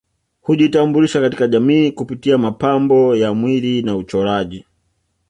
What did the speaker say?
Hujitambulisha katika jamii kupitia mapambo ya mwili na uchoraji